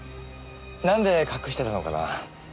なんで隠してたのかな？